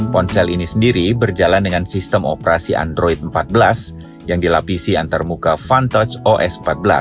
ponsel ini sendiri berjalan dengan sistem operasi android empat belas yang dilapisi antarmuka vantoch os empat belas